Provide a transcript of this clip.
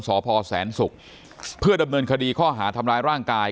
สพแสนศุกร์เพื่อดำเนินคดีข้อหาทำร้ายร่างกาย